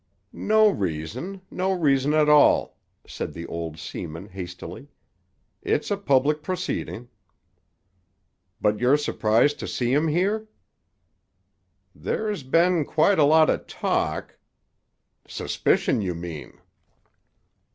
"No reason. No reason at all," said the old seaman hastily. "It's a public proceedin'." "But you're surprised to see him here?" "There's been quite a lot o' talk—" "Suspicion, you mean."